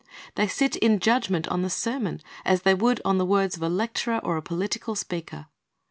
They sit in judgment on the sermon as they would on the words of a lecturer or a political speaker.